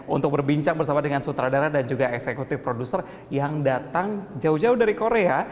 untuk berbincang bersama dengan sutradara dan juga eksekutif produser yang datang jauh jauh dari korea